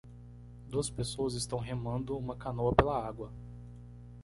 Duas pessoas estão remando uma canoa pela água.